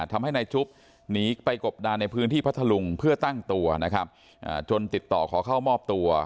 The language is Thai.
ทำให้นายจุ๊บหนีไปกบดานในพื้นที่พัทธลุงเพื่อตั้งตัวนะครับจนติดต่อขอเข้ามอบตัว